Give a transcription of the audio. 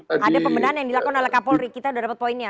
ada pembendahan yang dilakukan oleh kapolri kita sudah dapat poinnya